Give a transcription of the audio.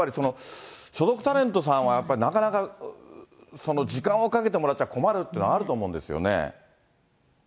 これやっぱり、所属タレントさんは、なかなか、時間をかけてもらっちゃ困るっていうのはあると思うんですね。